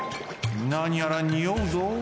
なにやらにおうぞ。